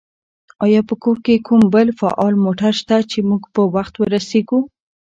آیا په کور کې کوم بل فعال موټر شته چې موږ په وخت ورسېږو؟